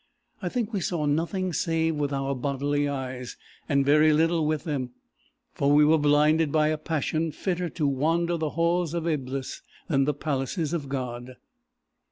I think we saw nothing save with our bodily eyes, and very little with them; for we were blinded by a passion fitter to wander the halls of Eblis, than the palaces of God.